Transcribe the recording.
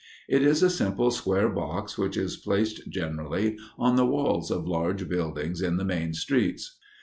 It is a simple square box which is placed generally on the walls of large buildings in the main streets.